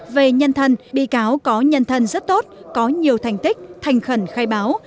về nhân thân bị cáo có nhân thân rất tốt có nhiều thành tích thành khẩn khai báo